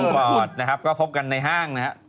มิวบอร์ดครับก็พบกันในห้าง